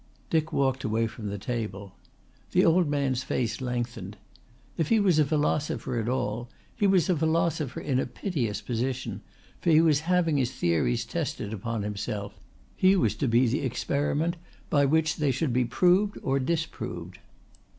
Dick walked away from the table. The old man's face lengthened. If he was a philosopher at all, he was a philosopher in a piteous position, for he was having his theories tested upon himself, he was to be the experiment by which they should be proved or disproved.